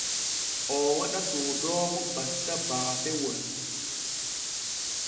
Oo waɗa soodoowo batta baafewol.